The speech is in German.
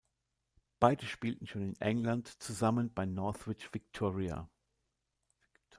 Beide spielten schon in England zusammen bei Northwich Victoria.